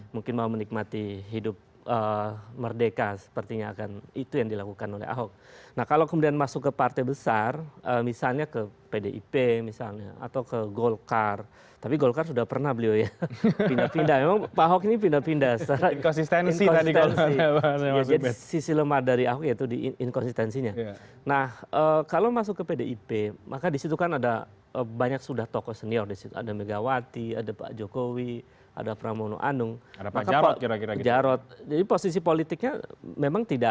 mudah mudahan bisa sesuaikan dengan cara berkelala